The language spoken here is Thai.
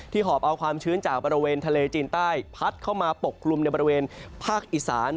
หอบเอาความชื้นจากบริเวณทะเลจีนใต้พัดเข้ามาปกกลุ่มในบริเวณภาคอีสาน